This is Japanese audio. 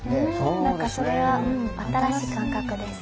何かそれは新しい感覚です